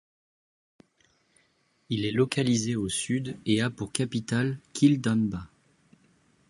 Il est localisé au sud et a pour capitale Kindamba.